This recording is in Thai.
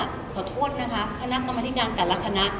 คือบุ๋มเองก็งงอยู่ว่าขอโทษนะคะคณะกรรมธิการแต่ละคณะ